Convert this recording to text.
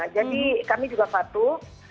jadi kami juga patuh